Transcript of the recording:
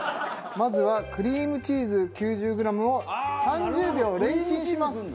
まずはクリームチーズ９０グラムを３０秒レンチンします。